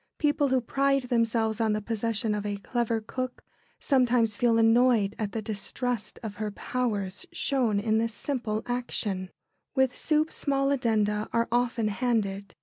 People who pride themselves on the possession of a clever cook sometimes feel annoyed at the distrust of her powers shown in this simple action. [Sidenote: The addenda to soup.] With soup small addenda are often handed.